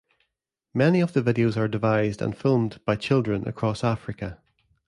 Many of the videos are devised and filmed by children across Africa.